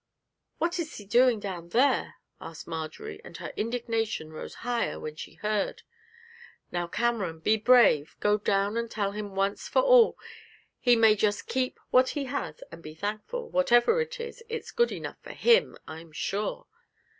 'What is he doing down there?' asked Marjory, and her indignation rose higher when she heard. 'Now, Cameron, be brave; go down and tell him once for all he may just keep what he has, and be thankful. Whatever it is, it's good enough for him, I'm sure!'